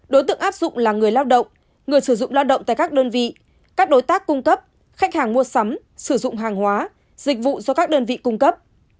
đối tượng áp dụng là người lao động người sử dụng lao động tại các đơn vị các đối tác cung cấp khách hàng mua sắm sử dụng hàng hóa dịch vụ do các đơn vị cung cấp